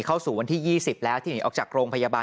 เข้าสู่วันที่๒๐แล้วที่หนีออกจากโรงพยาบาล